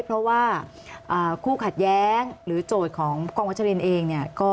เพราะว่าคู่ขัดแย้งหรือโจทย์ของกองวัตเจริญเอง